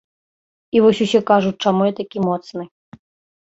І вось усе кажуць, чаму я такі моцны.